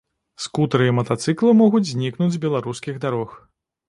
Скутэры і матацыклы могуць знікнуць з беларускіх дарог.